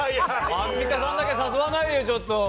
アンミカさんだけ誘わないでよ、ちょっと。